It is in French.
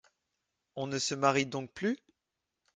On ne se marie donc plus ?